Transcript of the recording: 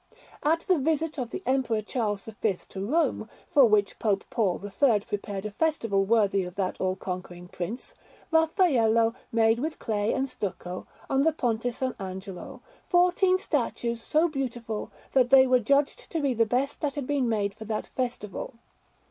At the visit of the Emperor Charles V to Rome, for which Pope Paul III prepared a festival worthy of that all conquering Prince, Raffaello made with clay and stucco, on the Ponte S. Angelo, fourteen statues so beautiful, that they were judged to be the best that had been made for that festival.